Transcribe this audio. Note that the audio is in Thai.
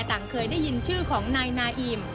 ต่างเคยได้ยินชื่อของนายนาอิม